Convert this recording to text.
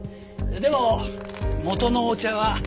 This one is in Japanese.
でも元のお茶はこれ。